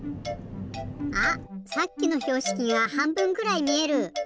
あっさっきのひょうしきがはんぶんくらいみえる！